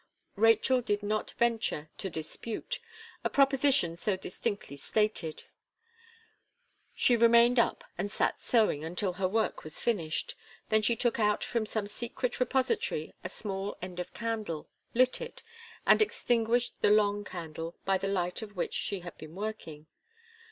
Rachel did not venture to dispute, a proposition so distinctly stated. She remained up, and sat sewing until her work was finished; she then took out from some secret repository a small end of candle, lit it, and extinguished the long candle, by the light of which she had been working.